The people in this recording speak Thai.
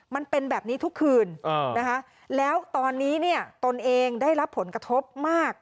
มันเป็นแบบนี้ทุกคืนนะคะแล้วตอนนี้เนี่ยตนเองได้รับผลกระทบมาก